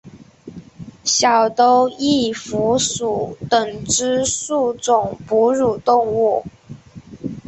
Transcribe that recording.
小兜翼蝠属等之数种哺乳动物。